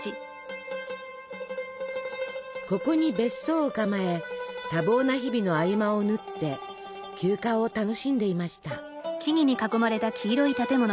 ここに別荘を構え多忙な日々の合間を縫って休暇を楽しんでいました。